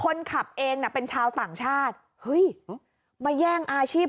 คนขับเองน่ะเป็นชาวต่างชาติเฮ้ยมาแย่งอาชีพ